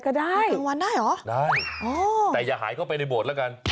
ไปกลางวันได้หรอได้แต่อย่าหายเข้าไปในโบสต์ละกัน